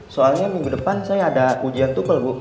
soalnya minggu depan saya ada ujian tubal bu